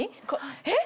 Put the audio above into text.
えっ？